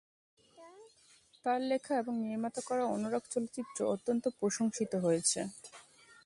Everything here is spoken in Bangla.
তার লেখা এবং নির্মাণ করা অনুরাগ চলচ্চিত্র অত্যন্ত প্রশংসিত হয়েছে।